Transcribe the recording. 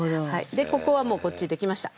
でここはもうこっちできました。